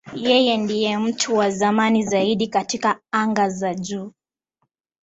Yeye ndiye mtu wa zamani zaidi katika anga za juu.